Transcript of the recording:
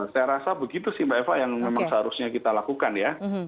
saya rasa begitu sih mbak eva yang memang seharusnya kita lakukan ya